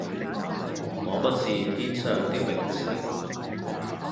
我不是天上的明星